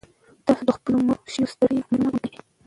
تاسو د خپلو مړو شویو سرتېرو نومونه ولیکئ.